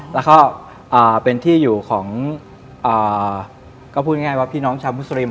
แล้วก็เป็นที่อยู่ของก็พูดง่ายว่าพี่น้องชาวมุสลิม